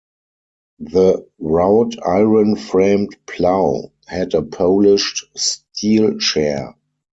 The wrought-iron framed plow had a polished steel share.